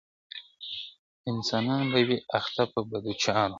انسانان به وي اخته په بدو چارو `